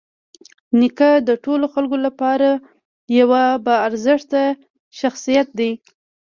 نیکه د ټولو خلکو لپاره یوه باارزښته شخصیت دی.